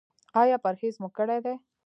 ایا پرهیز مو کړی دی؟